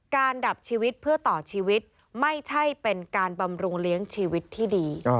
ดับชีวิตเพื่อต่อชีวิตไม่ใช่เป็นการบำรุงเลี้ยงชีวิตที่ดี